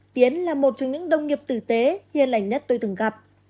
tiến là một trong những đồng nghiệp tử tế hiền lành nhất tôi từng gặp